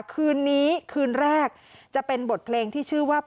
คืนนี้คืนแรกจะเป็นบทเพลงที่ชื่อว่า